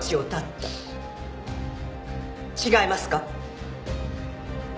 違いますか？